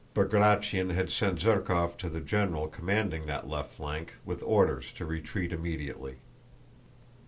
Bagratión had sent Zherkóv to the general commanding that left flank with orders to retreat immediately.